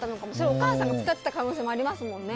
お母さんも使ってた可能性がありますもんね。